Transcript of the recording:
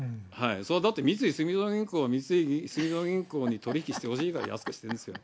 だって、三井住友銀行は、三井住友銀行に取り引きしてほしいから安くしてるんですよ。